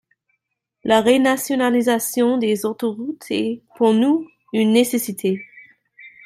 La renationalisation des autoroutes est, pour nous, une nécessité.